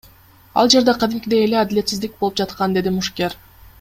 Ал жерде кадимкидей эле адилетсиздик болуп жаткан, — деди мушкер.